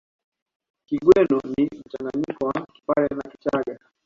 Kigweno ni mchanganyiko wa Kipare na Kichagga